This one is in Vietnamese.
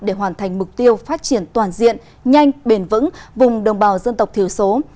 để hoàn thành mục tiêu phát triển toàn diện nhanh bền vững vùng đồng bào dân tộc thiểu số